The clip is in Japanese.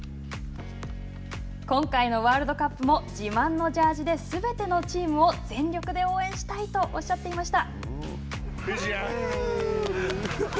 今回のワールドカップも自慢のジャージですべてのチームを全力で応援したいとおっしゃっていました。